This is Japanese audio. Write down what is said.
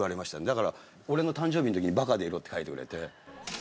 だから俺の誕生日の時に「バカでいろ」って書いてくれて。